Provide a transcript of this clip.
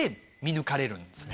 見抜かれるんですね